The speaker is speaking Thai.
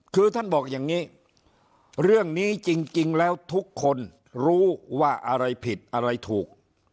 คือท่านบอกอย่างนี้เรื่องนี้จริงแล้วทุกคนรู้ว่าอะไรผิดอะไรถูก